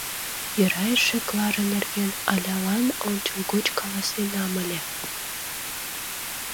Йӧра эше Клара нерген Алялан ончылгоч каласенам ыле.